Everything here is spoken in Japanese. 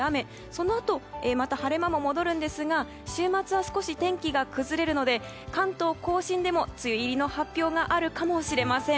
そのあとまた晴れ間も戻るんですが週末は少し天気が崩れるので関東・甲信でも梅雨入りの発表があるかもしれません。